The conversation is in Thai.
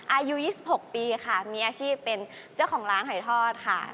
อายุ๒๖ปีค่ะมีอาชีพเป็นเจ้าของร้านหอยทอดค่ะ